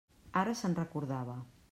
Ara se'n recordava.